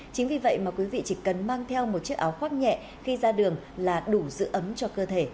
chính vì vậy mà quý vị chỉ cần mang theo một chiếc áo khoác nhẹ khi ra đường là đủ giữ ấm cho cơ thể